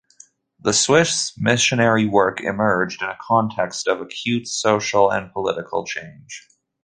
The Swiss missionary work emerged in a context of acute social and political change.